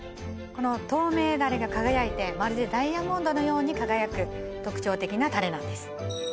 この透明ダレが輝いてまるでダイヤモンドのように輝く特徴的なタレなんです